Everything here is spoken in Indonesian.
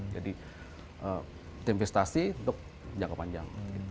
jadi kita investasi untuk jangka panjang